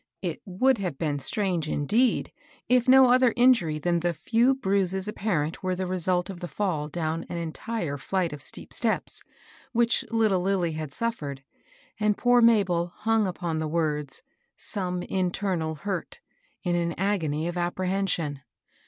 It would have been strange, indeed, if no other injury than the few bruisea apparent were the result of the fkll down an entire flight of steep steps, which little Lilly had suffered, and poor Ma bel hung upon the words, "some internal hurt" in an agony of apprehension.